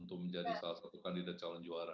untuk menjadi salah satu kandidat calon juara